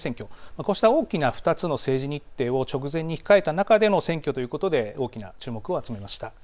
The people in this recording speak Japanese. こうした大きな２つの政治日程を直前に控えた中での選挙ということで大きな注目を集めました。